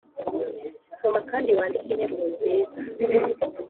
soma kandi wandike interuro nziza